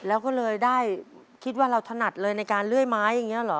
แล้วก็เลยได้คิดว่าเราถนัดเลยในการเลื่อยไม้อย่างนี้เหรอ